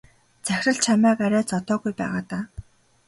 Захирал багш арай зодоогүй байгаа даа.